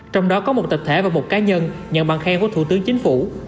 trong đó có một tập thể và một cá nhân nhận bằng khen của thủ tướng chính phủ